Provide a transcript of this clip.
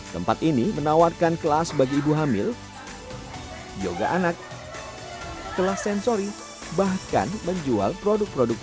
tempat ini menawarkan kelas bagi ibu hamil yoga anak kelas sensori bahkan menjual produk produk